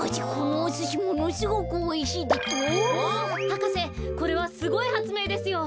博士これはすごいはつめいですよ。